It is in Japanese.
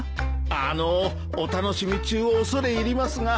あのお楽しみ中恐れ入りますが。